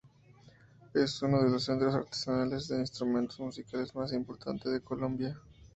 Es uno de los centros artesanales de instrumentos musicales más importante de Colombia.